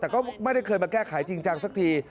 แต่ก็ไม่ได้เคยมาแก้ไขจริงจังสักที